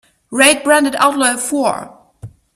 rate Branded Outlaw a four